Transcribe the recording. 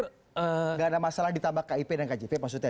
tidak ada masalah ditambah kip dan kjp maksudnya